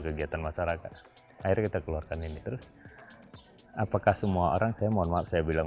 kegiatan masyarakat akhirnya kita keluarkan ini terus apakah semua orang saya mohon maaf saya bilang